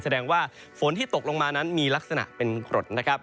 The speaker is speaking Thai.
แสดงว่าฝนที่ตกลงมานั้นมีลักษณะเป็นกรดนะครับ